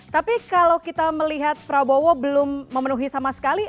tapi kalau kita melihat prabowo belum memenuhi sama sekali